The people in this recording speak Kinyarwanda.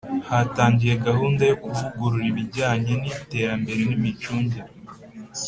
Hatangiye gahunda yo kuvugurura ibijyanye n iterambere n imicungire